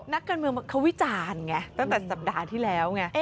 นักการเมืองเขาวิจารณ์ไงตั้งแต่สัปดาห์ที่แล้วไง